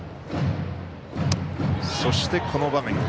そして、この場面。